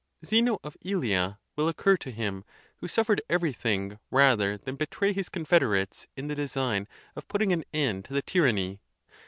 Zeno of Elea will occur to him, who suf fered everything rather than betray his confederates in the design of putting an end to the tyranny.